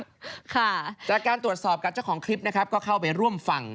พูดไทยได้ด้วยล่ะจากการตรวจสอบกับเจ้าของคลิปนะครับก็เข้าไปร่วมฟัง